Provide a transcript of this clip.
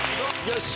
よし！